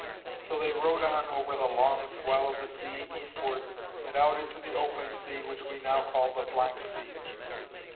So they rowed on over the long swell of the sea eastward, and out into the open sea which we now call the Black Sea.